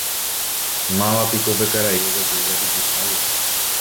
Mávapiko pe karai oguejýva jupihágui.